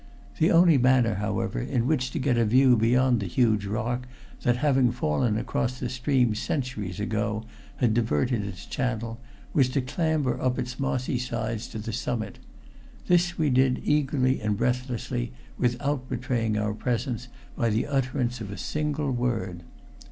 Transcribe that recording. The only manner, however, in which to get a view beyond the huge rock that, having fallen across the stream centuries ago, had diverted its channel, was to clamber up its mossy sides to the summit. This we did eagerly and breathlessly, without betraying our presence by the utterance of a single word.